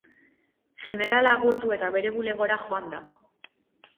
Jenerala agurtu, eta bere bulegora joan da.